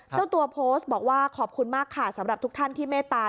เจ้าตัวโพสต์บอกว่าขอบคุณมากค่ะสำหรับทุกท่านที่เมตตา